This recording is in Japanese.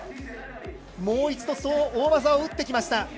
もう一度、その大技を打ってきました。